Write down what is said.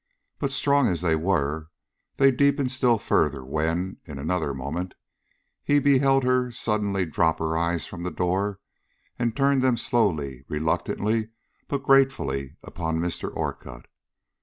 But strong as they were, they deepened still further when, in another moment, he beheld her suddenly drop her eyes from the door and turn them slowly, reluctantly but gratefully, upon Mr. Orcutt.